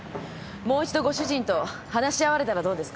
もう一度ご主人と話し合われたらどうですか？